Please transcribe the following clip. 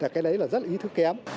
cái đấy là rất là ý thức kém